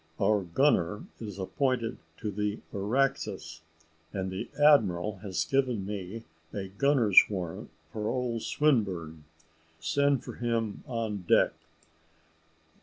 Our gunner is appointed to the Araxes, and the admiral has given me a gunner's warrant for old Swinburne. Send for him on deck."